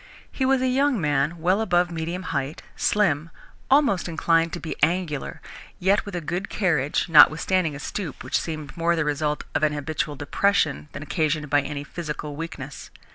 He was a young man well above medium height, slim, almost inclined to be angular, yet with a good carriage notwithstanding a stoop which seemed more the result of an habitual depression than occasioned by any physical weakness.